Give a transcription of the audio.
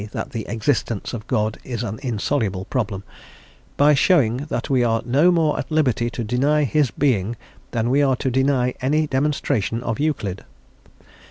that the existence of God is an insoluble problem), "by showing that we are no more at liberty to deny His being, than we are to deny any demonstration of Euclid.